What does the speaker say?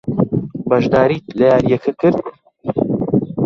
بەشداریت لە یارییەکە کرد؟